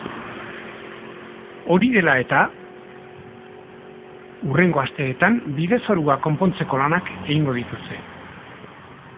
Hori dela eta, hurrengo asteetan bide-zorua konpontzeko lanak egingo dituzte.